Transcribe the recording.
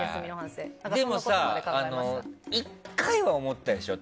でもさ、１回は思ったでしょ。